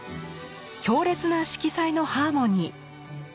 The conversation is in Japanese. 強烈な色彩のハーモニー。